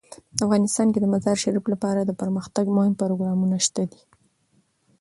افغانستان کې د مزارشریف لپاره ډیر دپرمختیا مهم پروګرامونه شته دي.